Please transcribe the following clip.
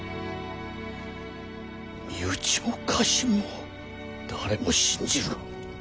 身内も家臣も誰も信じるな。